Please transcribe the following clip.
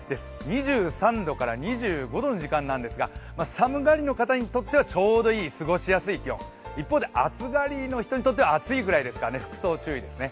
２３度から２５度の時間なんですが、寒がりの方にとってはちょうどいい過ごしやすい気温、一方で暑がりの方にとっては暑いくらいですから服装に注意ですね。